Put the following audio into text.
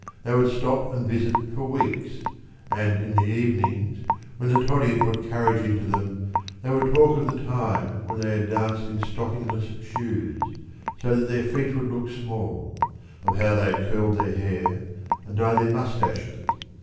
They would stop and visit for weeks, and in the evenings, when the toddy had put courage into them, they would talk of the time when they had danced in stockingless shoes, so that their feet would look small, of how they had curled their hair and dyed their mustaches.